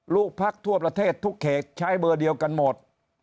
ลูกพักทั่วประเทศทุกเขตใช้เบอร์เดียวกันหมด